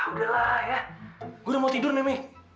ah udahlah ya gua udah mau tidur nih men